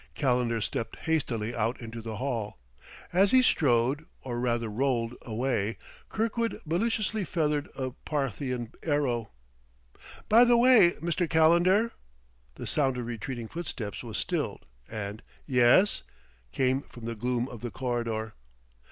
Calendar stepped hastily out into the hall. As he strode or rather, rolled away, Kirkwood maliciously feathered a Parthian arrow. "By the way, Mr. Calendar ?" The sound of retreating footsteps was stilled and "Yes?" came from the gloom of the corridor.